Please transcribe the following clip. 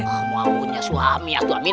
mau maunya suami atu amin